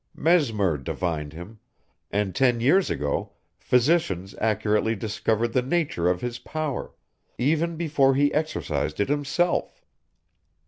Mesmer divined him, and ten years ago physicians accurately discovered the nature of his power, even before he exercised it himself.